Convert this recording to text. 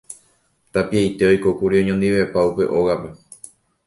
tapiaite oikókuri oñondivepa upe ógape.